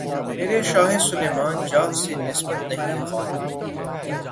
میرے شاہِ سلیماں جاہ سے نسبت نہیں‘ غالبؔ!